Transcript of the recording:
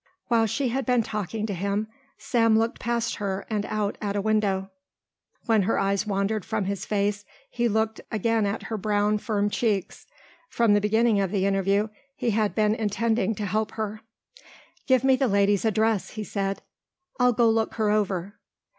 While she had been talking to him Sam looked past her and out at a window. When her eyes wandered from his face he looked again at her brown firm cheeks. From the beginning of the interview he had been intending to help her. "Give me the lady's address," he said; "I'll go look her over."